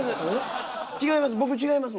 違います。